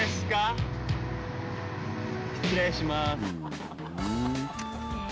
失礼します。